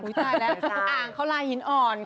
อุ้ยใช่แล้วอ่างเขาลายหินอ่อนค่ะ